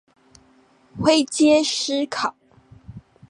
灰階思考